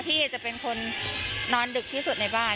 ที่จะเป็นคนนอนดึกที่สุดในบ้าน